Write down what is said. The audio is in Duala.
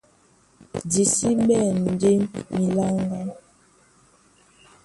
Di sí ɓɛ̂n ndé miláŋgá,